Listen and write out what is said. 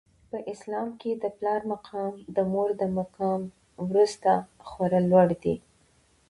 په اسلام کي د پلار مقام د مور تر مقام وروسته خورا لوړ دی.